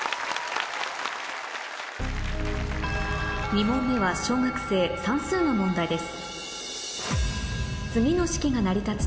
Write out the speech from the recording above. ２問目は小学生算数の問題です